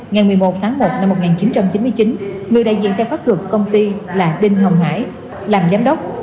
ngày một mươi một tháng một năm một nghìn chín trăm chín mươi chín người đại diện theo pháp luật công ty là đinh hồng hải làm giám đốc